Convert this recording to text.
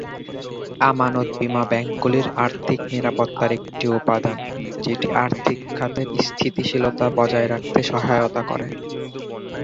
আমানত বীমা ব্যাংকগুলির আর্থিক নিরাপত্তার একটি উপাদান যেটি আর্থিক খাতের স্থিতিশীলতা বজায় রাখতে সহায়তা করে।